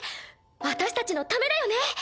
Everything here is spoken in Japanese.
私たちのためだよね。